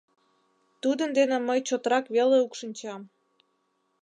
— Тудын дене мый чотрак веле укшинчам.